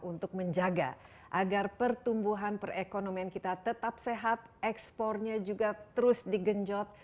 untuk menjaga agar pertumbuhan perekonomian kita tetap sehat ekspornya juga terus digenjot